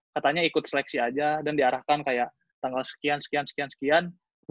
katanya ikut seleksi aja dan diarahkan kayak tanggal sekian sekian sekian sekian